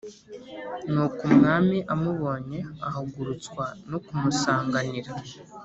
Nuko umwami amubonye ahagurutswa no kumusanganira